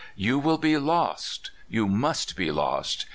You will be lost! you must be lost!